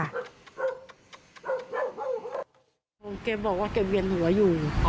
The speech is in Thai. แกบอกว่าแกเวียนหัวอยู่